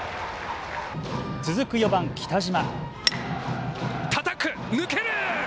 続く４番・北島。